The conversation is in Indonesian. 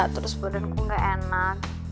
terus badan ku gak enak